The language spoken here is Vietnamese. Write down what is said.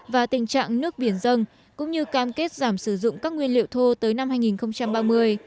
và tình trạng nước biển dân cũng như cam kết giảm sử dụng các nguyên liệu thô tới năm hai nghìn ba mươi